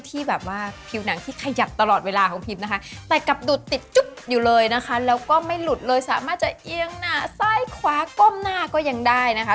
ที่แบบว่าผิวหนังที่ขยับตลอดเวลาของพิมนะคะแต่กลับดูดติดจุ๊บอยู่เลยนะคะแล้วก็ไม่หลุดเลยสามารถจะเอียงหน้าซ้ายขวาก้มหน้าก็ยังได้นะคะ